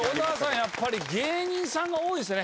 やっぱり芸人さんが多いですね。